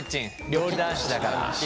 料理男子だから。